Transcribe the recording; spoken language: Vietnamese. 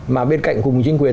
mà bên cạnh cùng chính quyền